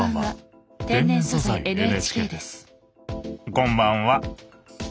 こんばんは。